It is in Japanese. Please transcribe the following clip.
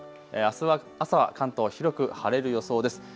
あす朝は関東、広く晴れる予想です。